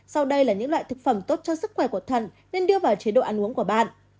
sau đây là những loại thực phẩm tốt cho sức khỏe của thận nên đưa vào chế độ ăn uống của bạn